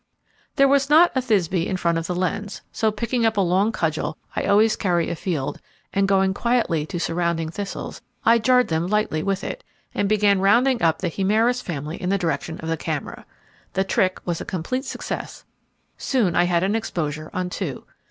There was not a Thysbe in front of the lens, so picking up a long cudgel I always carry afield, and going quietly to surrounding thistles, I jarred them lightly with it, and began rounding up the Hemaris family in the direction of the camera. The trick was a complete success. Soon I had an exposure on two.